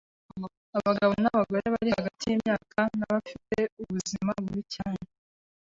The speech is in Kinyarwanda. Abagabo n'abagore bari hagati yimyaka na bafite ubuzima bubi cyane.